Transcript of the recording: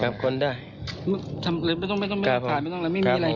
ไม่ต้องไม่ต้องไม่ต้องไม่ต้องแล้วไม่มีอะไร